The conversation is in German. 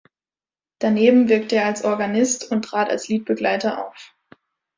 Daneben wirkte er als Organist und trat als Liedbegleiter auf.